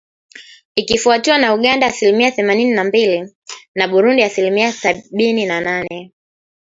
Ikifuatiwa na Uganda asilimia themanini na mbili, na Burundi asilimia sabini na nane .